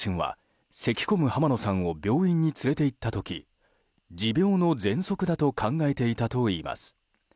浜野さんの両親はせきこむ浜野さんを病院に連れて行った時持病のぜんそくだと考えていたといいます。